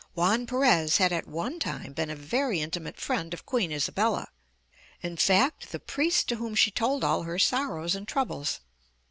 Juan Perez had at one time been a very intimate friend of Queen Isabella; in fact, the priest to whom 209 M Y BOOK HOUSE she told all her sorrows and trou bles.